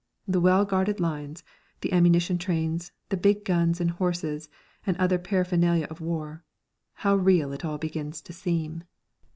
The well guarded lines, the ammunition trains, the big guns and horses and other paraphernalia of war how real it all begins to seem!